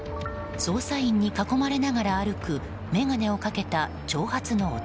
捜査員に囲まれながら歩く眼鏡をかけた長髪の男。